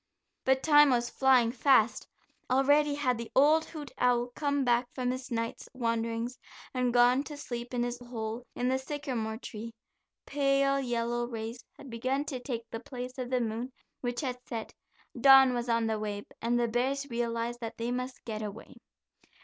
But time was flying fast; already had the old hoot owl come back from his night's wanderings, and gone to sleep in his hole in the sycamore tree. Pale yellow rays had begun to take the place of the moon which had set; dawn was on the way, and the bears realized that they must get away.